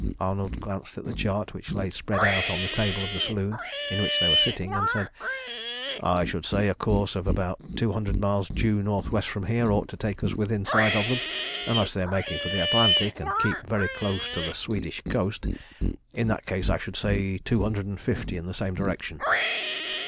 Arnold glanced at the chart which lay spread out on the table of the saloon in which they were sitting, and said "I should say a course of about two hundred miles due north west from here ought to take us within sight of them, unless they are making for the Atlantic, and keep very close to the Swedish coast. In that case I should say two hundred and fifty in the same direction."